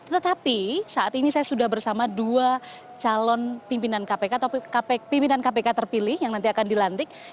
tetapi saat ini saya sudah bersama dua calon pimpinan kpk terpilih yang nanti akan dilantik